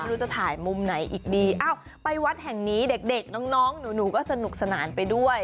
ไม่รู้จะถ่ายมุมไหนอีกดีอ้าวไปวัดแห่งนี้เด็กเด็กน้องน้องหนูหนูก็สนุกสนานไปด้วย